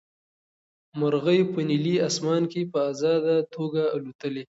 مرغۍ په نیلي اسمان کې په ازاده توګه الوتلې.